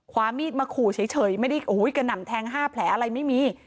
ความมีดมาขู่เฉยไม่ได้กระหน่ำแทง๕แผลอะไรไม่มี